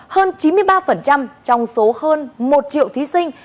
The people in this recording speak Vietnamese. hơn chín mươi ba trong số hơn một triệu thí sinh